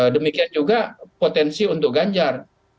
demikian juga potensi untuk ganjar